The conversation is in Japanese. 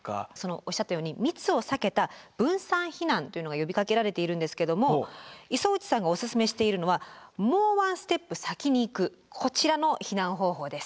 おっしゃったように密を避けた分散避難というのが呼びかけられているんですけども磯打さんがオススメしているのはもうワンステップ先に行くこちらの避難方法です。